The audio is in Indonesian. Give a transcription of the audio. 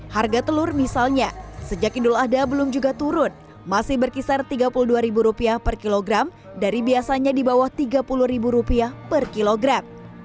harga telur misalnya sejak idul adha belum juga turun masih berkisar rp tiga puluh dua per kilogram dari biasanya di bawah rp tiga puluh per kilogram